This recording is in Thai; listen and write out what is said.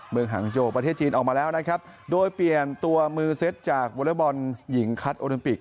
หางโยประเทศจีนออกมาแล้วนะครับโดยเปลี่ยนตัวมือเซ็ตจากวอเล็กบอลหญิงคัดโอลิมปิก